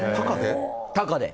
「高」で？